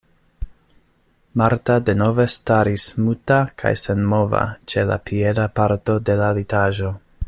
Marta denove staris muta kaj senmova ĉe la pieda parto de la litaĵo.